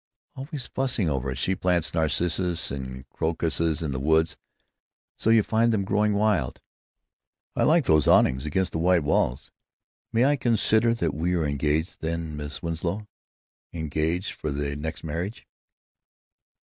"——always fussing over it; she plants narcissuses and crocuses in the woods, so you find them growing wild." "I like those awnings. Against the white walls.... May I consider that we are engaged then, Miss Winslow—engaged for the next marriage?"